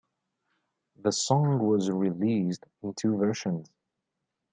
The song was released in two versions.